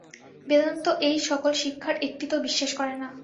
বেদান্ত এই-সকল শিক্ষার একটিতেও বিশ্বাস করে না।